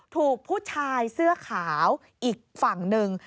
ถูกผู้ชายเสื้อขาวอีกฝั่งหนึ่ง